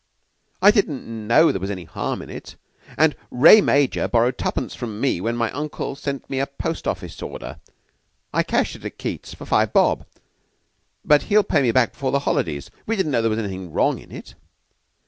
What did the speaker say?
I didn't know there was any harm in it. And Wray major borrowed twopence from me when my uncle sent me a post office order I cashed it at Keyte's for five bob; but he'll pay me back before the holidays. We didn't know there was anything wrong in it."